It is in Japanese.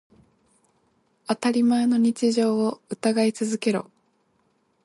当たり前の日常を疑い続けろ。